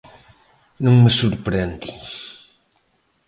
Non me sorprende.